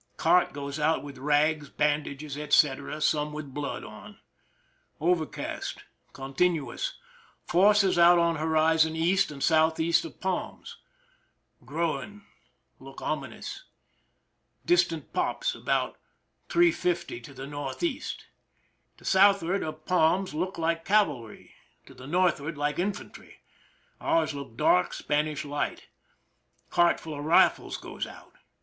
Cart goes out with rags, bandages, etc., some mth blood on. Overcast. Continuous. Forces out on horizon E. and S. E. of palms. Growing— look ominous. Distant '' pops " about 3 : 50 to the N. E. To Sd of palms look like cavalry— to the Nd like infantry. Ours look dark— Span ish light. Cartful of rifles goes out.